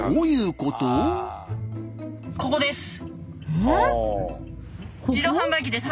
ここです！